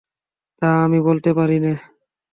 তা আমি বলতে পারি নে।